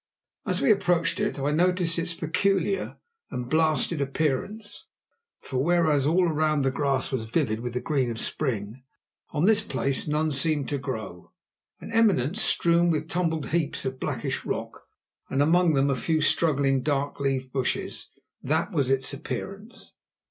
As we approached it I noticed its peculiar and blasted appearance, for whereas all around the grass was vivid with the green of spring, on this place none seemed to grow. An eminence strewn with tumbled heaps of blackish rock, and among them a few struggling, dark leaved bushes; that was its appearance.